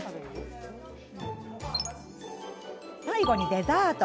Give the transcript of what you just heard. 最後にデザート。